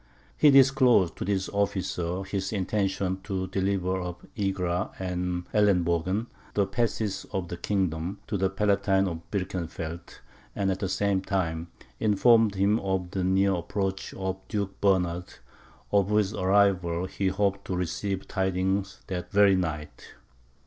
He disclosed to this officer his intention to deliver up Egra and Ellenbogen, the passes of the kingdom, to the Palatine of Birkenfeld, and at the same time, informed him of the near approach of Duke Bernard, of whose arrival he hoped to receive tidings that very night.